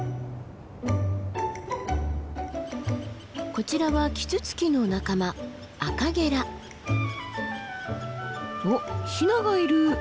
こちらはキツツキの仲間おっヒナがいる。